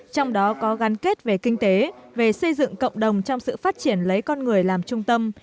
trong đó có gắn kết về kinh tế về xây dựng cộng đồng trong sự phát triển lấy con người làm trung tâm